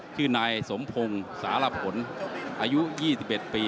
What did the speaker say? ชื่อนายสมพงศ์สารผลอายุ๒๑ปี